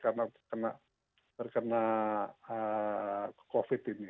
karena terkena covid ini